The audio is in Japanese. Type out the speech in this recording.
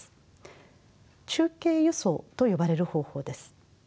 中継輸送と呼ばれる方法です。